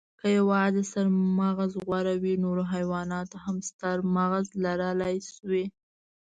که یواځې ستر مغز غوره وی، نورو حیواناتو هم ستر مغز لرلی شوی.